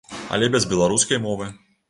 Але без беларускай мовы.